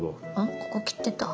ここ切ってた。